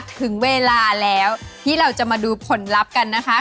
ถึงเวลาแล้วที่เราจะมาดูผลลัพธ์กันนะคะ